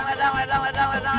ledang ledang ledang ledang